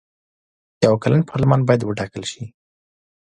یو کلن پارلمان باید وټاکل شي.